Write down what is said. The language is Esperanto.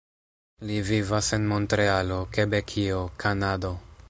Li vivas en Montrealo, Kebekio, Kanado.